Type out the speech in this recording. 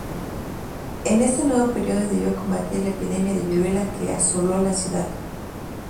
En este nuevo período, debió combatir la epidemia de viruela que asoló la ciudad.